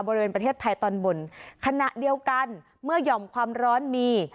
บริเวณประเทศไทยตอนบนขณะเดียวกันเมื่อหย่อมความร้อนมี